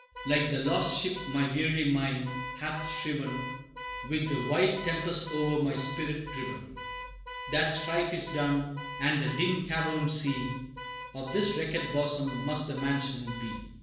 Like the lost ship my weary mind hath striven With the wild tempest o'er my spirit driven; That strife is done and the dim caverned sea Of this wrecked bosom must the mansion be.